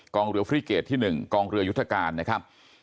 เรือฟรีเกตที่๑กองเรือยุทธการนะครับ